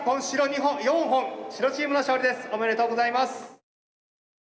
おめでとうございます。